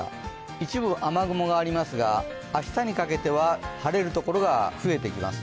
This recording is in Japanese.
一部、雨雲がありますが明日にかけては晴れるところが増えてきます。